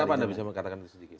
kenapa anda bisa mengatakan sedikit